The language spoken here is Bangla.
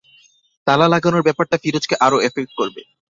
তালা লাগানোর ব্যাপারটা ফিরোজকে আরো এফেক্ট করবে।